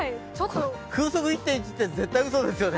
風速１．１って絶対うそですよね。